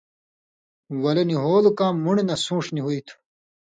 ولے ”نی ہول“ کام مُن٘ڈہ نہ سُون٘ݜ نی ہُوئ تُھو۔